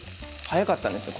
早かったんですよ。